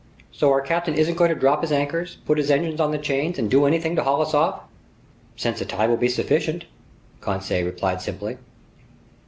"So our captain isn't going to drop his anchors, put his engines on the chains, and do anything to haul us off?" "Since the tide will be sufficient," Conseil replied simply.